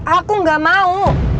aku gak mau